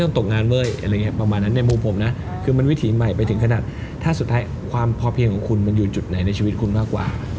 แต่หมายถึงเรากินผัก